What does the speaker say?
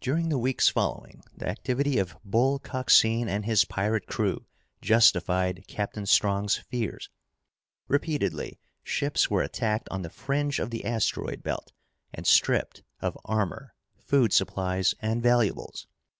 During the weeks following, the activity of Bull Coxine and his pirate crew justified Captain Strong's fears. Repeatedly, ships were attacked on the fringe of the asteroid belt and stripped of armor, food supplies, and valuables.